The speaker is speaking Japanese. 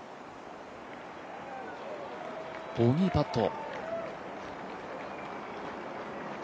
ボギーパット。